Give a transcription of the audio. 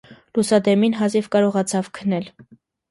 Լուսադեմին հազիվ կարողացավ քնել: